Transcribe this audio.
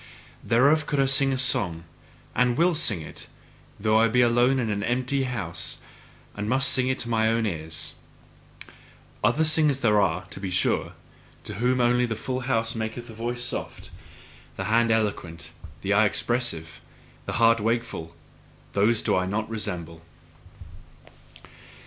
Thereof could I sing a song and WILL sing it: though I be alone in an empty house, and must sing it to mine own ears. Other singers are there, to be sure, to whom only the full house maketh the voice soft, the hand eloquent, the eye expressive, the heart wakeful: those do I not resemble.